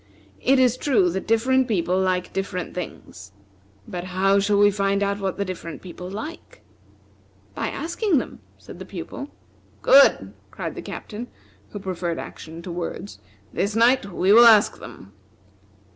It is true that different people like different things. But how shall we find out what the different people like?" "By asking them," said the Pupil. "Good!" cried the Captain, who preferred action to words. "This night we will ask them."